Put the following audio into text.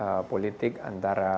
dan komunikasi politik antara pks